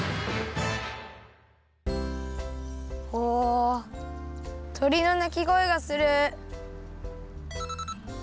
おとりのなきごえがする。